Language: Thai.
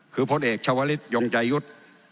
คือพจน์เอกชวริสต์ยงใจยุทธ